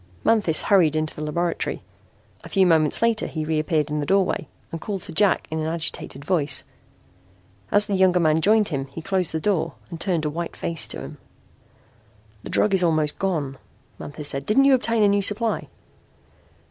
Manthis hurried into the laboratory. A few moments later he reappeared in the doorway and called to Jack in an agitated voice. As the younger man joined him he closed the door and turned a white face to him. "The drug is almost gone," Manthis said. "Didn't you obtain a new supply?"